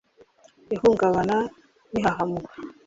Ihungabana n ihahamuka